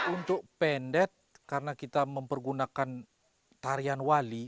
untuk pendek karena kita mempergunakan tarian wali